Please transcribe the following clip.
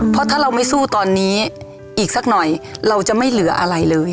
เพราะถ้าเราไม่สู้ตอนนี้อีกสักหน่อยเราจะไม่เหลืออะไรเลย